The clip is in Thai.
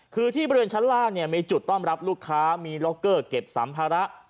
คือที่บริเวณชั้นล่างเนี่ยมีจุดต้อนรับลูกค้ามีล็อกเกอร์เก็บสัมภาระ